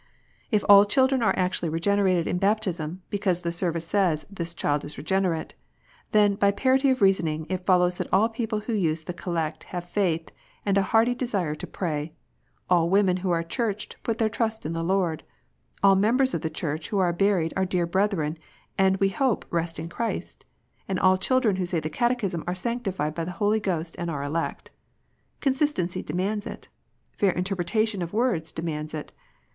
If all children are actually regenerated in baptism, because the Service says, "This child is regenerate," then by parity of reasoning it follows that all people who use the Collect have faith, and a hearty desire to pray! all women who are churched put their trust in the Lord ! all members of the Church who are buried are dear brethren, and we hope rest in Christ ! and all children who say the Catechism are sanctified by the Holy Ghost and are elect ! Consistency demands it. Fair interpre tation of words demands it.